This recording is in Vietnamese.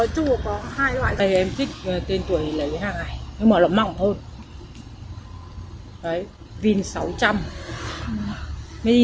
chứ còn cái hàng này hàng này là do bọn chị sản xuất